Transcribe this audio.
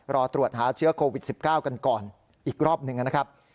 รอตรวจหาเชื้อโควิด๑๙กันก่อนอีกรอบหนึ่งนะครับ